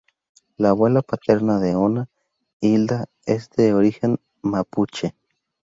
La abuela paterna de Oona, Hilda, es de origen mapuche.